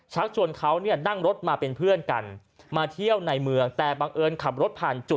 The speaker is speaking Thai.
ชวนเขาเนี่ยนั่งรถมาเป็นเพื่อนกันมาเที่ยวในเมืองแต่บังเอิญขับรถผ่านจุด